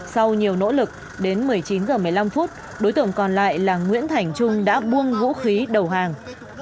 sau nhiều nỗ lực đến một mươi chín h một mươi năm phút đối tượng còn lại là nguyễn thành trung đã buông vũ khí đầu hàng